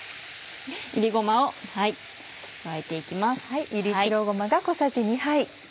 炒りごまを加えて行きます。